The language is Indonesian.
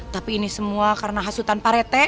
tapi ini semua karena khas hutan pak rete